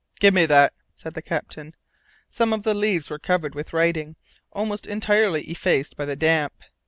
"Give me that," said the captain. Some of the leaves were covered with writing, almost entirely effaced by the damp.